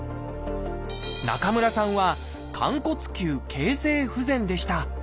中村さんは「寛骨臼形成不全」でした。